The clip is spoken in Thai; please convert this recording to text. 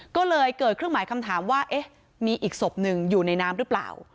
ก็เลยเกิดเครื่องหมายคำถามว่าเอ๊ะมีอีกศพหนึ่งอยู่ในน้ำหรือเปล่า